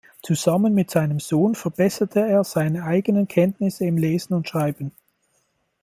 Zusammen mit seinem Sohn verbesserte er seine eigenen Kenntnisse im Lesen und Schreiben.